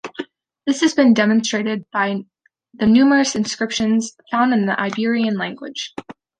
This has been demonstrated by the numerous inscriptions found in the Iberian language.